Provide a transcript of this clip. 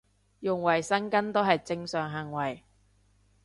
用衞生巾都係正常行為